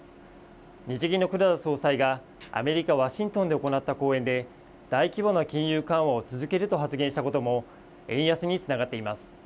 日銀の黒田総裁がアメリカ・ワシントンで行った講演で大規模な金融緩和を続けると発言したことも円安につながっています。